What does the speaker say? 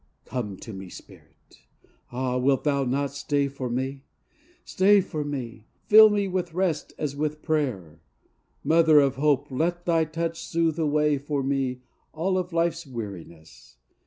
Come to me, Spirit! Ah, wilt thou not stay for me? Stay for me! fill me with rest as with prayer! Mother of hope, let thy touch soothe away for me All of life's weariness!